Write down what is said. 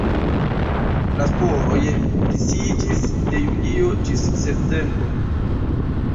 La sporoj disiĝis de julio ĝis septembro.